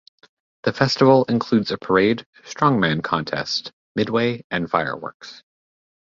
The festival includes a parade, strongman contests, midway, and fireworks.